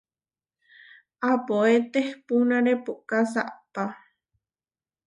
Apoé tehpúnare puʼká saʼpá.